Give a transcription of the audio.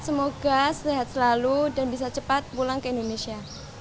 semoga sehat selalu dan bisa cepat pulang ke indonesia